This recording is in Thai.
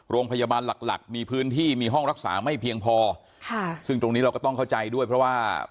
โรงพยาบาลหลักหลักมีพื้นที่มีห้องรักษาไม่เพียงพอค่ะซึ่งตรงนี้เราก็ต้องเข้าใจด้วยเพราะว่า